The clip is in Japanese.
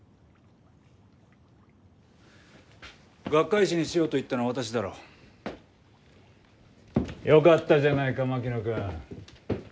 学会誌にしようと言ったのは私だろう？よかったじゃないか槙野君。